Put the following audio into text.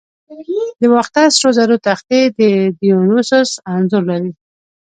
د باختر سرو زرو تختې د دیونوسوس انځور لري